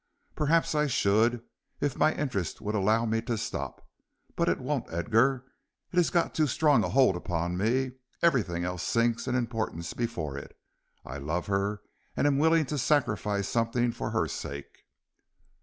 "Perhaps I should, if my interest would allow me to stop. But it won't, Edgar; it has got too strong a hold upon me; everything else sinks in importance before it. I love her, and am willing to sacrifice something for her sake."